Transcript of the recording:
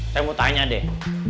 saya mau tanya deh